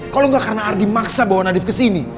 kalo gak karena ardi maksa bawa nadif kesini